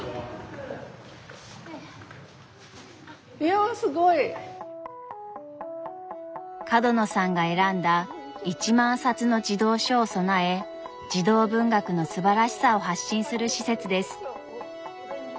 いやすごい！角野さんが選んだ１万冊の児童書を備え児童文学のすばらしさを発信する施設です。